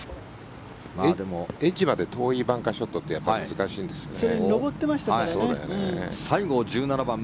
でも、エッジまで遠いバンカーショットって難しいんですよね。